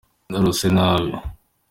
narose nabi.